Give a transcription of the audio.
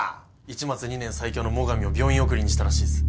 市松２年最強の最上を病院送りにしたらしいっす。